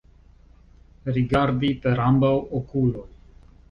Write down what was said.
Rigardi per ambaŭ okuloj.